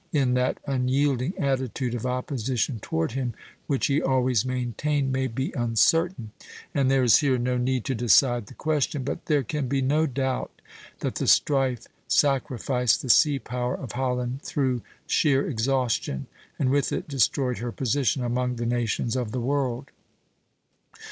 in that unyielding attitude of opposition toward him which he always maintained, may be uncertain, and there is here no need to decide the question; but there can be no doubt that the strife sacrificed the sea power of Holland through sheer exhaustion, and with it destroyed her position among the nations of the world.